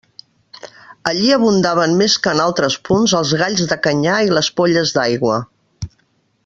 Allí abundaven més que en altres punts els galls de canyar i les polles d'aigua.